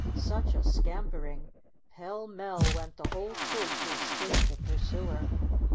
Such a scampering ! Pell mell went the whole troop to escape the pur suer.